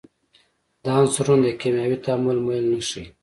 دا عنصرونه د کیمیاوي تعامل میل نه ښیي.